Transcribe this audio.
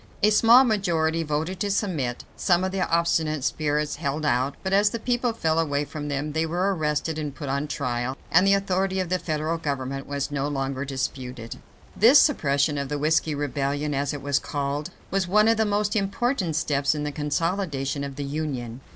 A small majority voted to submit. Some of the obstinate spirits held out, but as the people fell away from them, they were arrested and put on trial, and the authority of the federal government was no longer disputed. This suppression of the "Whiskey Rebellion," as it was called, was one of the most important steps in the consolidation of the Union.